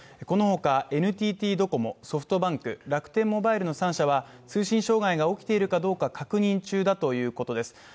このほか、ＮＴＴドコモ、ソフトバンク楽天モバイルの３社は、通信障害が起きているかどうか確認中だということです。